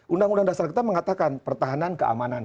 undang undang dasar kita mengatakan pertahanan keamanan